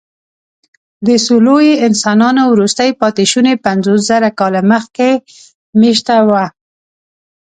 د سولويي انسانانو وروستي پاتېشوني پنځوسزره کاله مخکې مېشته وو.